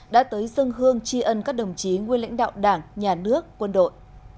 đã tới dân hương tri ân các đồng chí nguyên lãnh đạo đảng nhà nước quân đội